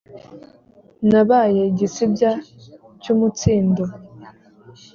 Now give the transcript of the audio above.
Nabaye igisibya cy’ umutsindo